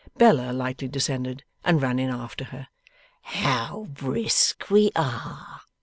Bella lightly descended, and ran in after her. 'How brisk we are!